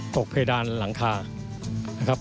เพดานหลังคานะครับ